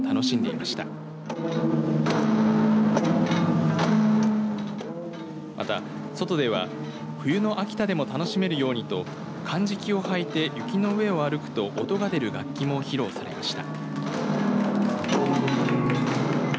また、外では冬の秋田でも楽しめるようにとかんじきを履いて雪の上を歩くと音が出る楽器も披露されました。